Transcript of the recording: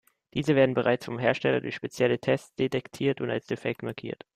Diese werden bereits vom Hersteller durch spezielle Tests detektiert und als defekt markiert.